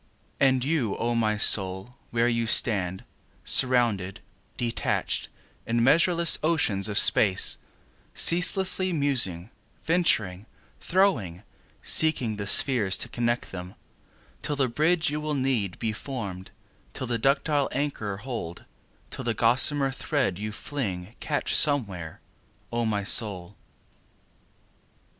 And you, O my Soul, where you stand, Surrounded, surrounded, in measureless oceans of space, Ceaselessly musing, venturing, throwing,—seeking the spheres, to connect them; Till the bridge you will need, be form'd—till the ductile anchor hold; Till the gossamer thread you fling, catch somewhere, O my Soul.